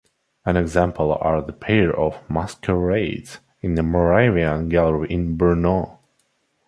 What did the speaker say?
An example are the pair of "Masquerades" in the Moravian Gallery in Brno.